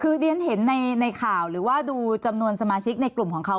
คือเรียนเห็นในข่าวหรือว่าดูจำนวนสมาชิกในกลุ่มของเขา